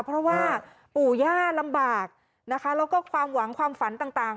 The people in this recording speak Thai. เพราะว่าปู่ย่าลำบากนะคะแล้วก็ความหวังความฝันต่าง